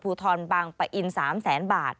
ภูทรบางปะอิน๓แสนบาท